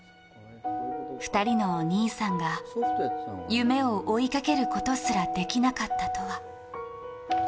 ２人のお兄さんが夢を追いかけることすら、できなかったとは。